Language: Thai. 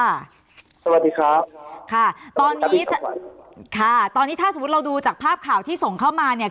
สวัสดีครับค่ะตอนนี้ค่ะตอนนี้ถ้าสมมุติเราดูจากภาพข่าวที่ส่งเข้ามาเนี่ย